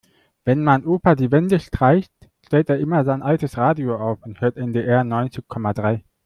Wenn mein Opa die Wände streicht, stellt er immer sein altes Radio auf und hört NDR neunzig Komma drei.